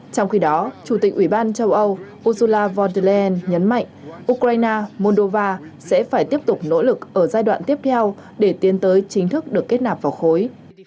trong khi đó chủ tịch ủy ban châu âu ursula von der leyen nhấn mạnh ukraine moldova sẽ phải tiếp tục nỗ lực ở giai đoạn tiếp theo để tiến tới chính thức được kết nạp vào khối